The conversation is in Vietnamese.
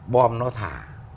bom nó thả